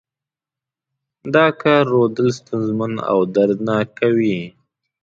دا کار رودل ستونزمن او دردناک کوي.